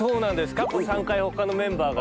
過去３回他のメンバーが。